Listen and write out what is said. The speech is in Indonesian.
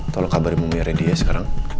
tolong kabarin memirain dia sekarang